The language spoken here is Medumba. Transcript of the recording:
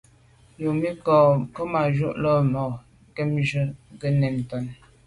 Yomi bo Kemaju’ na’ lo mà nkebnjù nke nèn ntàne.